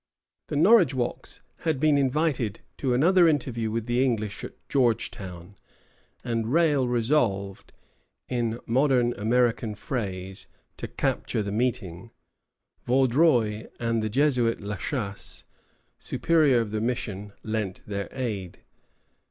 The Norridgewocks had been invited to another interview with the English at Georgetown; and Rale resolved, in modern American phrase, to "capture the meeting." Vaudreuil and the Jesuit La Chasse, superior of the mission, lent their aid.